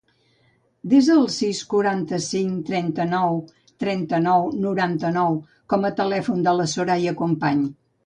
Desa el sis, quaranta-cinc, trenta-nou, trenta-nou, noranta-nou com a telèfon de la Soraya Company.